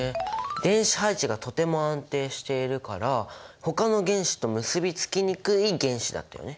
電子配置がとても安定しているからほかの原子と結び付きにくい原子だったよね。